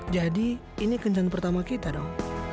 jadi ini kencan pertama kita dong